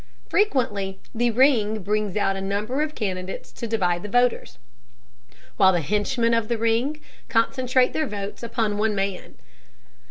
Frequently the "ring" brings out a number of candidates to divide the voters, while the henchmen of the ring concentrate their votes upon one man.